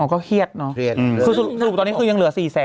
อ๋อก็เครียดเนอะสรุปตอนนี้คือยังเหลือ๔๐๐๐๐๐